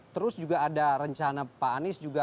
terus juga ada rencana pak anies juga